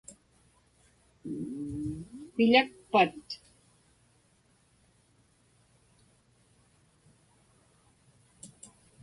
Piḷakpat?